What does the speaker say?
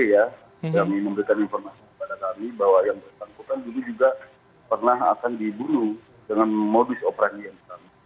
kami memberikan informasi kepada kami bahwa yang bersangkutan dulu juga pernah akan dibunuh dengan modus operasi yang sama